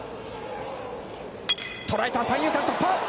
捉えた三遊間突破！